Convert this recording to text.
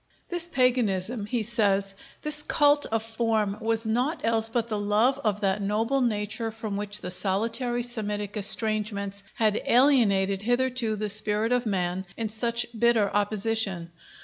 "This paganism," he says, "this cult of form, was naught else but the love of that noble nature from which the solitary Semitic estrangements had alienated hitherto the spirit of man in such bitter opposition.